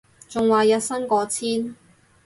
仲話日薪過千